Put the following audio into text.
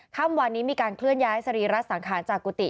ค่ำวันนี้มีการเคลื่อนย้ายสรีระสังขารจากกุฏิ